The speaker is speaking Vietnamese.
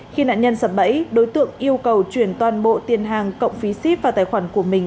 khi nạn nhân sập bẫy đối tượng yêu cầu chuyển toàn bộ tiền hàng cộng phí xếp vào tài khoản của mình